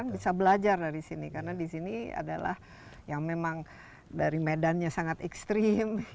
bisa belajar dari sini karena di sini adalah yang memang dari medannya sangat ekstrim